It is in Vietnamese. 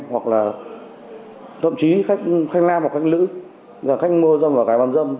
hoặc là thậm chí khách nam hoặc khách nữ khách mua dâm và gái bán dâm